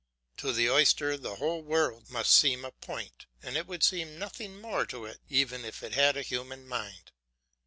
To the oyster the whole world must seem a point, and it would seem nothing more to it even if it had a human mind.